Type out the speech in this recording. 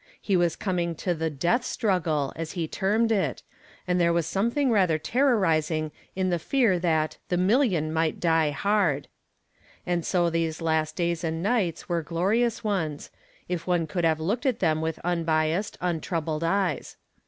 He was coming to the "death struggle," as he termed it, and there was something rather terrorizing in the fear that "the million might die hard." And so these last days and nights were glorious ones, if one could have looked at them with unbiased, untroubled eyes.